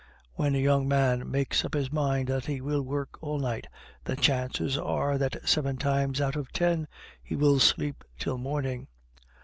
When a young man makes up his mind that he will work all night, the chances are that seven times out of ten he will sleep till morning.